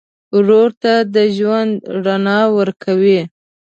ورور ته د ژوند رڼا ورکوې.